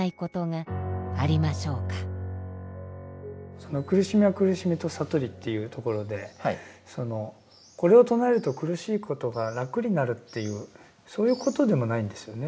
その「苦しみを苦しみと悟り」というところでこれを唱えると苦しいことが楽になるというそういうことでもないんですよね？